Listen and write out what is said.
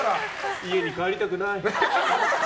家に帰りたくない。